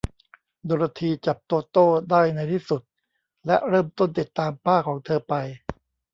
โดโรธี จับโตโต้ได้ในที่สุด และเริ่มต้นติดตามป้าของเธอไป